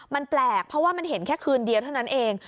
มันแปลกเพราะว่ามันเห็นแค่คืนเดียวเท่านั้นเอง